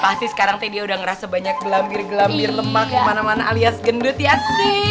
pasti sekarang tadi udah ngerasa banyak gelambir gelambir lemak yang mana mana alias gendut ya si